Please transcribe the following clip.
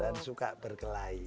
dan suka berkelahi